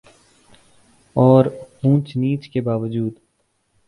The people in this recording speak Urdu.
اور اونچ نیچ کے باوجود